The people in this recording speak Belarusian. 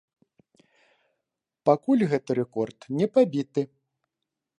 Пакуль гэты рэкорд не пабіты.